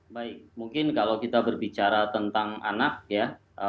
baik mungkin kalau kita berbicara tentang anak ya